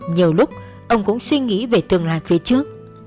nhiều lúc ông cũng suy nghĩ về tương lai phía trước